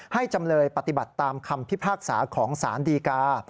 จำเลยปฏิบัติตามคำพิพากษาของสารดีกา